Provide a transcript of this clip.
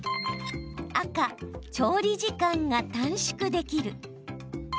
赤・調理時間が短縮できる。